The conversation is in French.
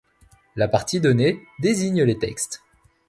La partie donnée désigne les textes.